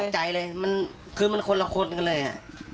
ตกใจเลยคือมันคนละคนกันเลยอ่ะ